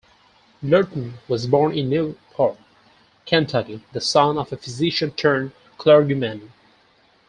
Lurton was born in Newport, Kentucky, the son of a physician turned clergyman.